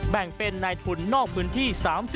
แบ่งเป็นนายทุนนอกพื้นที่๓๐